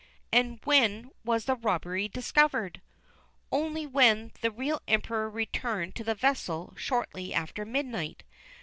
"And when was the robbery discovered?" "Only when the real Emperor returned to the vessel shortly after midnight.